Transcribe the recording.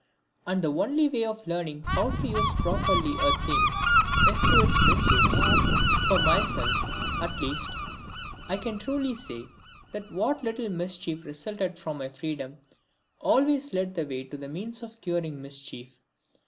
And the only way of learning how to use properly a thing is through its misuse. For myself, at least, I can truly say that what little mischief resulted from my freedom always led the way to the means of curing mischief.